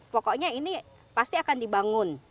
pokoknya ini pasti akan dibangun